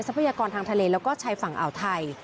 พยากรทางทะเลแล้วก็ชายฝั่งอ่าวไทย